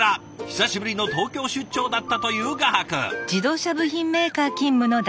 久しぶりの東京出張だったという画伯。